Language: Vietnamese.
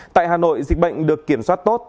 tại hà nội dịch bệnh được kiểm soát tốt